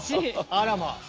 あらま！